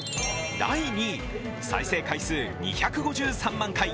第２位、再生回数２５３万回。